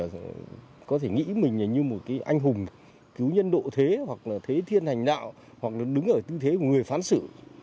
đối tượng có thể nghĩ mình là như một anh hùng cứu nhân độ thế hoặc là thế thiên hành đạo hoặc là đứng ở tư thế của người phán xử